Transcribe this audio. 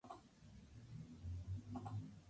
Su gerente general es Pablo Camacho.